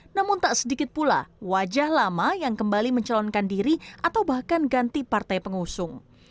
namun tak sedikit pula wajah lama yang kembali mencalonkan diri atau bahkan ganti partai pengusung